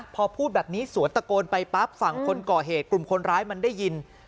พอพูดแบบนี้สวนตะโกนไปปั๊บฝั่งคนก่อเหตุกลุ่มคนร้ายมันได้ยิน